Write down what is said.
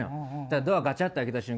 ドアガチャっと開けた瞬間